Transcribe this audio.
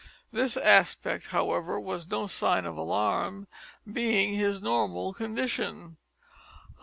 This aspect, however, was no sign of alarm, being his normal condition.